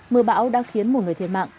mưa bão đã khiến một người thiệt mạng